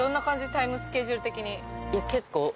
タイムスケジュール的に。